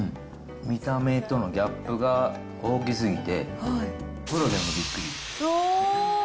見た目とのギャップが大きすぎて、プロでもびっくり。